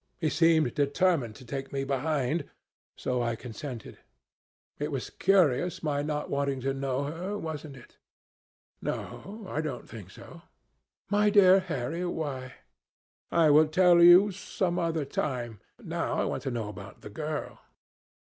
He seemed determined to take me behind, so I consented. It was curious my not wanting to know her, wasn't it?" "No; I don't think so." "My dear Harry, why?" "I will tell you some other time. Now I want to know about the girl."